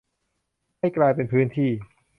ให้กลายเป็นพื้นที่